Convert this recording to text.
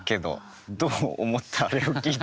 どう思った？